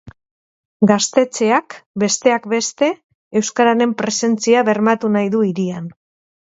Gaztetxeak besteak beste euskararen presentzia bermatu nahi du hirian.